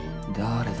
誰だ。